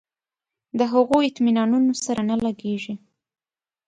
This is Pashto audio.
د هغو اطمینانونو سره نه لګېږي.